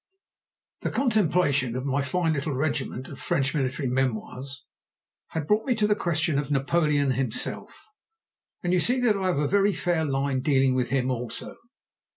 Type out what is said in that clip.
The contemplation of my fine little regiment of French military memoirs had brought me to the question of Napoleon himself, and you see that I have a very fair line dealing with him also.